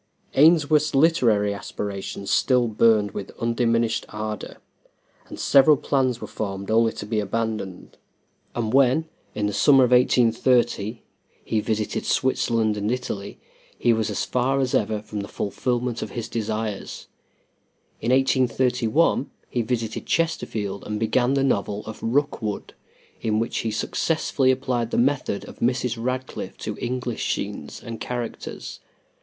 Ainsworth's literary aspirations still burned with undiminished ardor, and several plans were formed only to be abandoned, and when, in the summer of 1830, he visited Switzerland and Italy, he was as far as ever from the fulfilment of his desires. In 1831 he visited Chesterfield and began the novel of "Rookwood," in which he successfully applied the method of Mrs. Radcliffe to English scenes and characters.